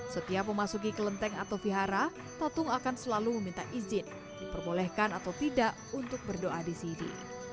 setiap memasuki kelenteng atau vihara tatung akan selalu meminta izin diperbolehkan atau tidak untuk berdoa di sini